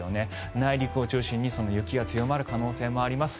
内陸を中心に雪が強まる可能性もあります。